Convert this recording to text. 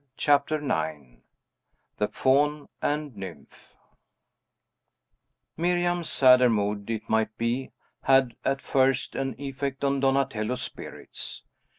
CHAPTER IX THE FAUN AND NYMPH Miriam's sadder mood, it might be, had at first an effect on Donatello's spirits.